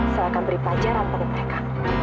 saya akan beri pelajaran pada mereka